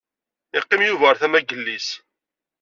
Yeqqim Yuba ar tama n yelli-s.